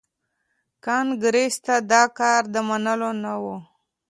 کانګریس ته دا کار د منلو نه و.